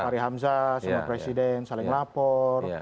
fahri hamzah sama presiden saling lapor